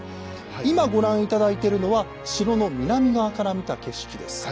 今ご覧頂いてるのは城の南側から見た景色です。